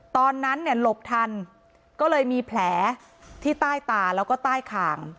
ตอนนั้นเนี่ยหลบทันก็เลยมีแผลที่ใต้ตาแล้วก็ใต้ขาง